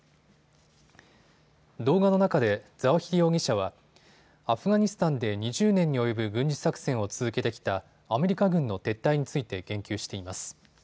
動画の中でザワヒリ容疑者はアフガニスタンで２０年に及ぶ軍事作戦を続けてきたアメリカ軍の撤退について言及しています。